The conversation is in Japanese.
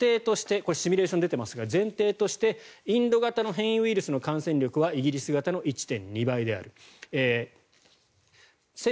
これはシミュレーションが出ていますが前提として、インド型の変異ウイルスの感染力はイギリス型の１．２倍である。